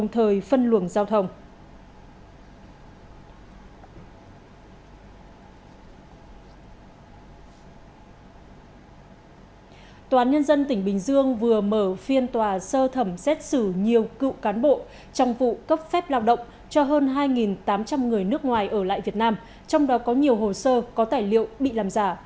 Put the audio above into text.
tòa án nhân dân tỉnh bình dương vừa mở phiên tòa sơ thẩm xét xử nhiều cựu cán bộ trong vụ cấp phép lao động cho hơn hai tám trăm linh người nước ngoài ở lại việt nam trong đó có nhiều hồ sơ có tài liệu bị làm giả